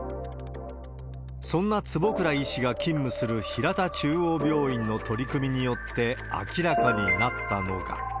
そんな坪倉医師が勤務する、ひらた中央病院の取り組みによって明らかになったのが。